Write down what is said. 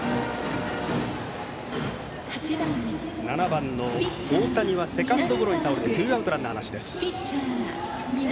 ７番の大谷はセカンドゴロに倒れツーアウトランナーなしです。